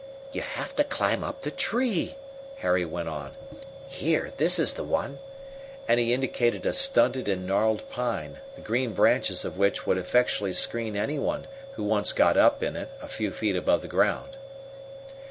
"You have to climb up the tree," Harry went on. "Here, this is the one, and he indicated a stunted and gnarled pine, the green branches of which would effectually screen any one who once got in it a few feet above the ground.